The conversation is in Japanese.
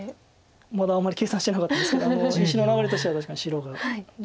まだあんまり計算してなかったですけど石の流れとしては確かに白が順調かなと思います。